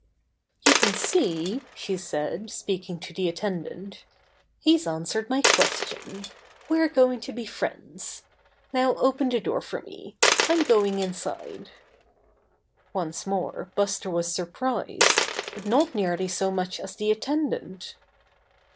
"You can see," she said, speaking to the at tendant, "he's answered my question. We're going to be friends. Now open the door for me. I'm going inside." Once more Buster was surprised, but not nearly so much as the attendant.